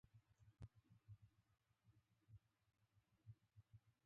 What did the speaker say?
اوبه د حوضونو ښکلا ده.